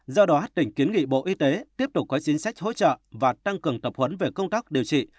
do đó tỉnh kiến nghị bộ y tế tiếp tục có chính sách hỗ trợ và tăng cường tập huấn về công tác điều trị